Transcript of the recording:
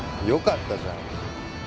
よかったじゃん。